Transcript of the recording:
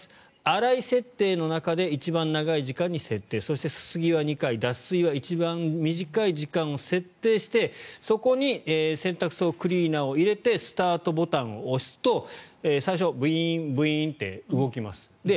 洗い設定の中で一番長い時間に設定そして、すすぎは２回脱水は一番短い時間を設定してそこに洗濯槽クリーナーを入れてスタートボタンを押すと最初、ブイーン、ブイーンって動きます。